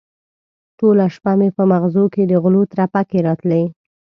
ټوله شپه مې په مغزو کې د غلو ترپکې راتلې.